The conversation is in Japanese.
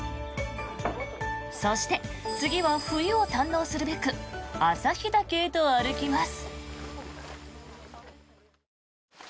そして、次は冬を堪能するべく旭岳へと歩きます。